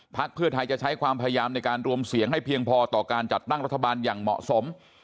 เพื่อไทยจะใช้ความพยายามในการรวมเสียงให้เพียงพอต่อการจัดตั้งรัฐบาลอย่างเหมาะสม